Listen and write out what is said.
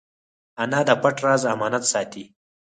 انا د پټ راز امانت ساتي